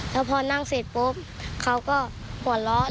แล้วพอนั่งเสร็จปุ๊บเขาก็หัวเราะ